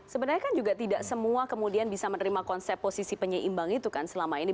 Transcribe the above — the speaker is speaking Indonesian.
sebenarnya kan juga tidak semua kemudian bisa menerima konsep posisi penyeimbang itu kan selama ini